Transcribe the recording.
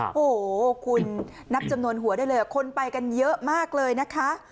โอ้โหคุณนับจำนวนหัวได้เลยคนไปกันเยอะมากเลยนะคะ